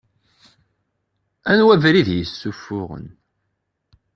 Anwa abrid i yessuffuɣen?